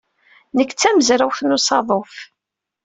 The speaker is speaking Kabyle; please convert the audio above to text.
Nekk d tamezrawt n usaḍuf.